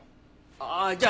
ああじゃあ